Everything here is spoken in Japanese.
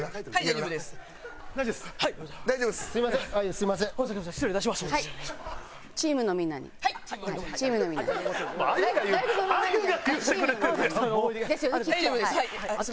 大丈夫です。